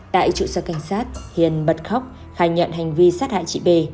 tại trụ sở cảnh sát hiền bật khóc khai nhận hành vi sát hại chị bề